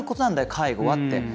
介護はって。